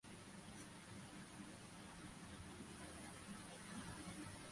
এটি প্রতিষ্ঠা করেন বাংলার প্রখ্যাত সমাজসেবক হাজী মুহাম্মদ মহসিন।